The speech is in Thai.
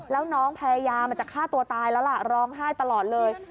แล้วน้องพยายามจะฆ่าตัวตายแล้วล่ะร้องไห้ตลอดเลย